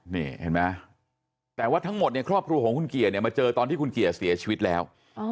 นี่เห็นไหมแต่ว่าทั้งหมดเนี่ยครอบครัวของคุณเกียร์เนี่ยมาเจอตอนที่คุณเกียร์เสียชีวิตแล้ว